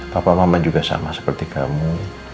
papa mama juga sama seperti kamu